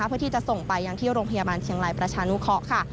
เพื่อที่จะส่งไปที่โรงพยาบาลเชียงไลน์ประชานุเคาะ